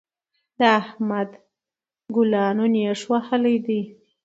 د احمد ګلانو نېښ وهلی دی.